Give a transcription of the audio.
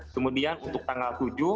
kemudian untuk tanggal tujuh